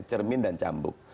cermin dan cambuk